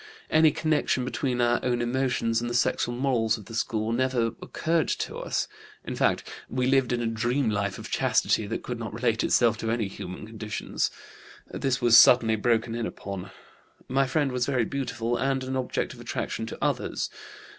Any connection between our own emotions and the sexual morals of the school never occurred to us. In fact, we lived a dream life of chastity that could not relate itself to any human conditions. This was suddenly broken in upon. My friend was very beautiful and an object of attraction to others.